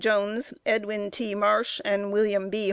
Jones, Edwin T. Marsh, and William B.